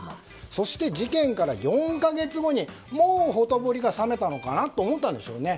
そして事件から４か月後にもうほとぼりが冷めたのかなと思ったんでしょうね。